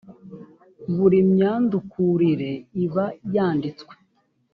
buri myandukurire iba yanditswe